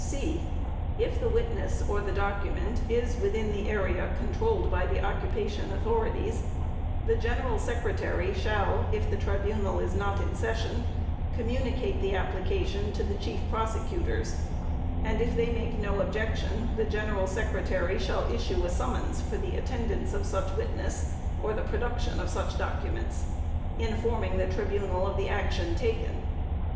(c) If the witness or the document is within the area controlled by the occupation authorities, the General Secretary shall, if the Tribunal is not in session, communicate the application to the Chief Prosecutors and, if they make no objection, the General Secretary shall issue a summons for the attendance of such witness or the production of such documents, informing the Tribunal of the action taken.